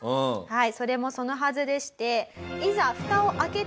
はい。